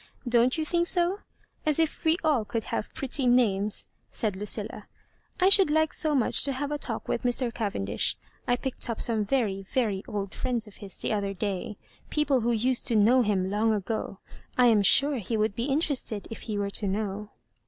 Don't you think so ? As if we all could have pretty names I " said Ludlla. "I should like so much to have a talk with Mr. Cavendu^ I picked up some veiy, Digitized by VjOOQIC 88 loss KABJOBIBANK& very .old friends of his the other day— people who used to know him long ago. I am sure he would be interested if he were to know."